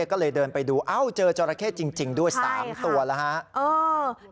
ก็เลยเดินไปดูเจอจอร้าเข้จริงด้วย๓ตัวแล้ว